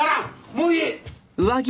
もういい！